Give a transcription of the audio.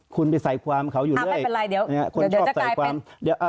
คุณไปใส่ความของเขาอีกเลย